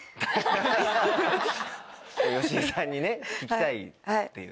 吉井さんにね聞きたいっていう。